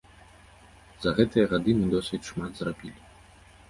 За гэтыя гады мы досыць шмат зрабілі.